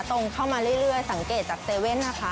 ตรงเข้ามาเรื่อยสังเกตจาก๗๑๑นะคะ